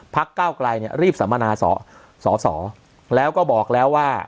ก้าวไกลเนี่ยรีบสัมมนาสอสอแล้วก็บอกแล้วว่า